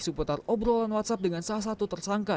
seputar obrolan whatsapp dengan salah satu tersangka